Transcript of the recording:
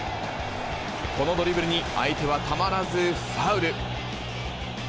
このドリブルに相手はたまらずファウル。